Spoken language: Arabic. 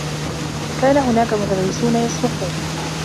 كان هناك مدرّسون يصرخون.